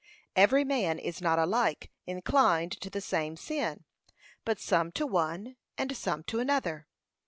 Every man is not alike inclined to the same sin, but some to one and some to another.